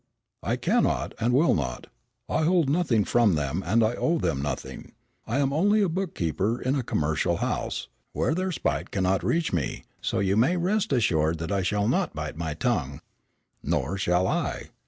"I cannot and will not. I hold nothing from them, and I owe them nothing. I am only a bookkeeper in a commercial house, where their spite cannot reach me, so you may rest assured that I shall not bite my tongue." "Nor shall I.